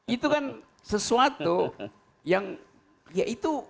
itu kan sesuatu yang ya itu